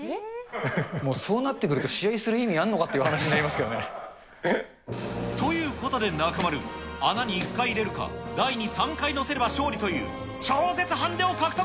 もうそうなってくると、試合する意味あるのかって話になりますけどね。ということで中丸、穴に１回入れるか、台に３回載せれば勝利という超絶ハンデを獲得。